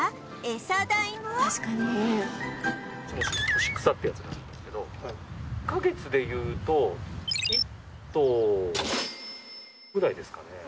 干し草ってやつなんですけど１カ月でいうと１頭ぐらいですかね。